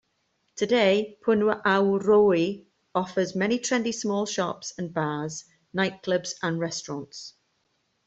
Today Punavuori offers many trendy small shops and bars, nightclubs and restaurants.